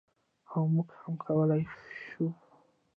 او موږ هم کولی شو.